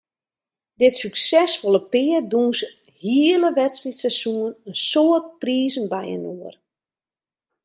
Dit suksesfolle pear dûnse it hiele wedstriidseizoen in soad prizen byinoar.